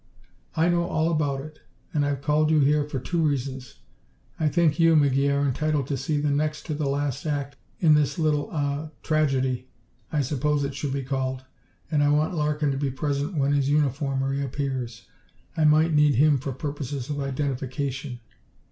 "I know all about it, and I've called you here for two reasons: I think you, McGee, are entitled to see the next to the last act in this little ah tragedy, I suppose it should be called; and I want Larkin to be present when his uniform reappears. I might need him for purposes of identification."